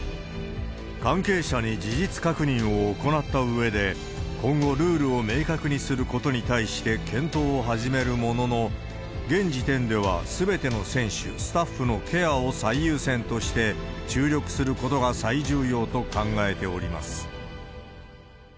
関係者に事実確認を行ったうえで、今後、ルールを明確にすることに対して検討を始めるものの、現時点ではすべての選手、スタッフのケアを最優先として、注力することが最重要と考えております。